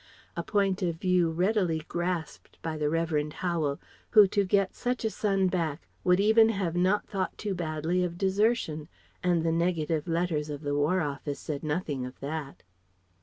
A point of view readily grasped by the Revd. Howel, who to get such a son back would even have not thought too badly of desertion and the negative letters of the War Office said nothing of that.